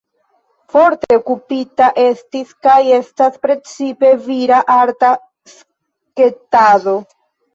Forte okupita estis kaj estas precipe vira arta sketado.